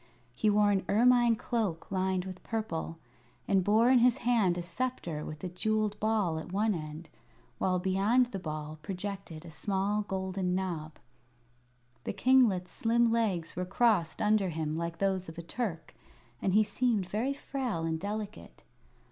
He wore an ermine cloak lined with purple, and bore in his hand a sceptre with a jewelled ball at one end, while beyond the ball projected a small golden knob. The kinglet's slim legs were crossed under him like those of a Turk, and he seemed very frail and delicate.